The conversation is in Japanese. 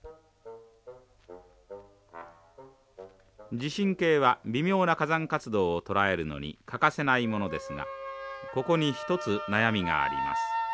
地震計は微妙な火山活動を捉えるのに欠かせないものですがここに一つ悩みがあります。